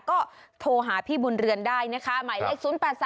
ก็โทรหาพี่บุญเรือนได้นะคะหมายเลข๐๘๓